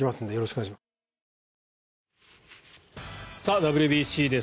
ＷＢＣです。